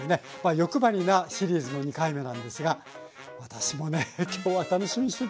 欲張りなシリーズの２回目なんですが私もね今日は楽しみにしてきました。